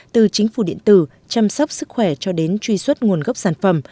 từ chính phủ điện tử chăm sóc sức khỏe cho đến truy xuất nguồn gốc sản phẩm